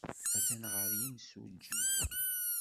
Atan ɣer yimsujji.